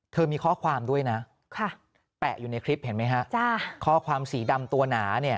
มีข้อความด้วยนะแปะอยู่ในคลิปเห็นไหมฮะข้อความสีดำตัวหนาเนี่ย